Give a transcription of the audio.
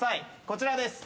こちらです。